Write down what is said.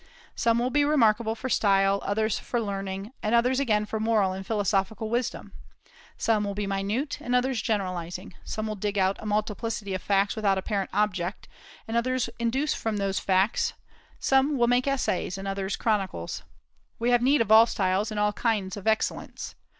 Some will be remarkable for style, others for learning, and others again for moral and philosophical wisdom; some will be minute, and others generalizing; some will dig out a multiplicity of facts without apparent object, and others induce from those facts; some will make essays, and others chronicles. We have need of all styles and all kinds of excellence.